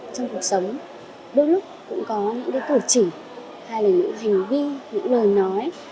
trong cuộc sống đôi lúc cũng có những tổ chỉ hay là những hành vi những lời nói